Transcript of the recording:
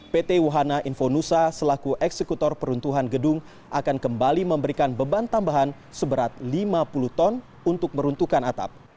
pt wahana infonusa selaku eksekutor peruntuhan gedung akan kembali memberikan beban tambahan seberat lima puluh ton untuk meruntuhkan atap